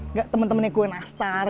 nggak temen temennya kue nastar